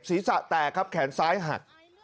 ศีรษะแตกครับแขนซ้ายหัก